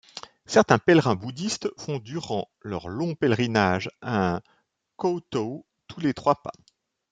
Certains pèlerins bouddhistes font durant leurs longs pèlerinages un kowtow tous les trois pas.